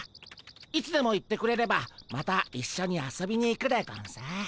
いつでも言ってくれればまたいっしょに遊びに行くでゴンス。